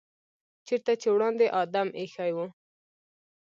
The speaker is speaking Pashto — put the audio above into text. چېرته چې وړاندې آدم ایښی و.